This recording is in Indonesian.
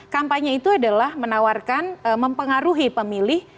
kampanye itu adalah menawarkan mempengaruhi pemilih